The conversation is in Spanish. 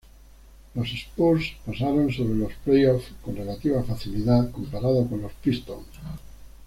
Los Spurs pasaron sobre los playoffs con relativa facilidad, comparados con los Pistons.